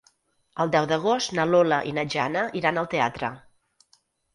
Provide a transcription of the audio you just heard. El deu d'agost na Lola i na Jana iran al teatre.